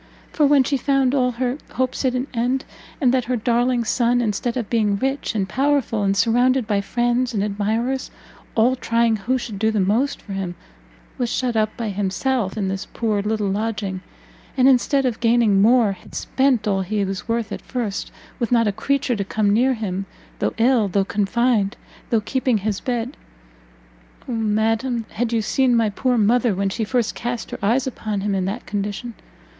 For when she found all her hopes at an end, and that her darling son, instead of being rich and powerful, and surrounded by friends and admirers, all trying who should do the most for him, was shut up by himself in this poor little lodging, and instead of gaining more, had spent all he was worth at first, with not a creature to come near him, though ill, though confined, though keeping his bed! Oh madam, had you seen my poor mother when she first cast her eyes upon him in that condition!